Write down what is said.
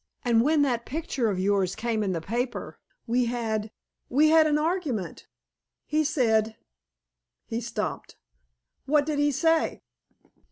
And when that picture of yours came in the paper, we had we had an argument. He said " He stopped. "What did he say?"